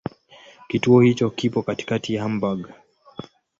Kituo hicho kipo katikati ya Hamburg.